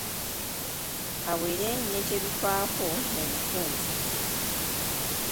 Kawere ne kye lufaako mu bufunze